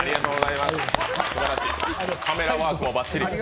カメラワークもバッチリ。